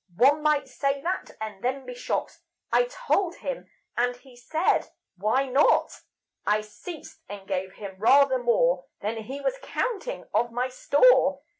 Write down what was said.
"One might say that and then be shot," I told him; and he said: "Why not?" I ceased, and gave him rather more Than he was counting of my store.